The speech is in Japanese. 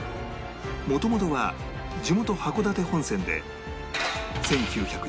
元々は地元函館本線で